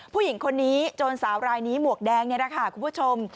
ผู้หญิงคนนี้โจรสาวรายนี้หมวกแดงคุณผู้ชม